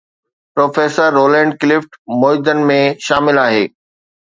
Professor Roland Clift موجدن ۾ شامل آهي.